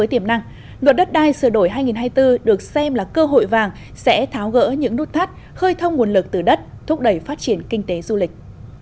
với tiềm năng luật đất đai sửa đổi hai nghìn hai mươi bốn được xem là cơ hội vàng sẽ tháo gỡ những nút thắt khơi thông nguồn lực từ đất thúc đẩy phát triển kinh tế du lịch